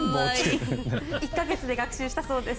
１か月で学習したそうです。